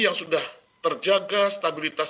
yang sudah terjaga stabilitas